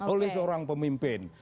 oleh seorang pemimpin